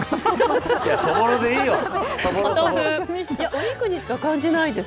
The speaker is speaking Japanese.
お肉にしか感じないです。